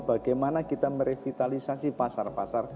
bagaimana kita merevitalisasi pasar pasar